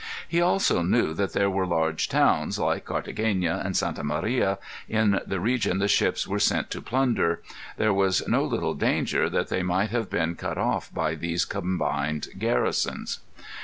He also knew that there were large towns, like Carthagena and Santa Maria, in the region the ships were sent to plunder. There was no little danger that they might have been cut off by these combined garrisons.